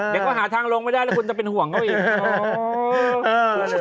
เดี๋ยวเขาหาทางลงไม่ได้แล้วคุณจะเป็นห่วงเขาอีก